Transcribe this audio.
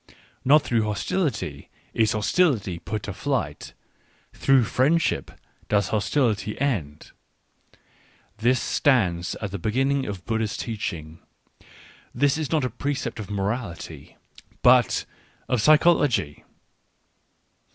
" Not through hostility is hostility put to flight ; through friendship does hostility end": this stands at the beginning of Buddha's teaching — this is not a precept of morality, but of physiology.